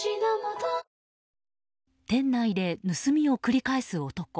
店内で盗みを繰り返す男。